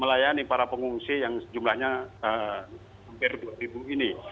melayani para pengungsi yang jumlahnya hampir dua ribu ini